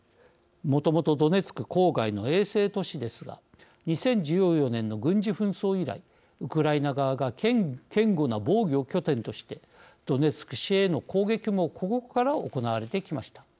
もともとドネツク郊外の衛星都市ですが２０１４年の軍事紛争以来ウクライナ側が堅固な防御拠点としてドネツク市への攻撃もここから行われてきました。